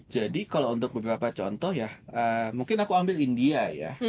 jadi kalau untuk beberapa contoh ya mungkin aku ambil india ya